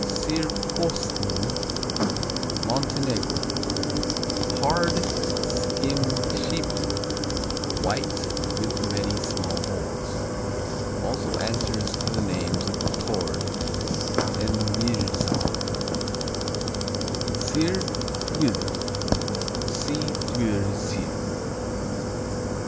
Sir Posny Montenegro Hard; skim sheep milk; white, with many small holes. Also answers to the names of Tord and Mrsav. Sir, Twdr see Twdr Sir.